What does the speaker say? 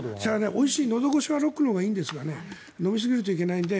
おいしい、のどごしはロックのほうがいいんですが飲みすぎるといけないので。